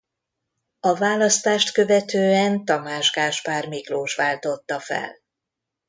A választást követően Tamás Gáspár Miklós váltotta fel.